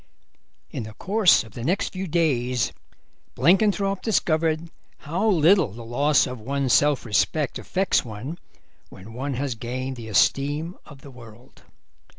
In the course of the next few days Blenkinthrope discovered how little the loss of one's self respect affects one when one has gained the esteem of the world.